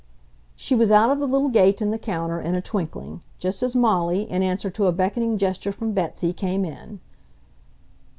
She was out of the little gate in the counter in a twinkling, just as Molly, in answer to a beckoning gesture from Betsy, came in.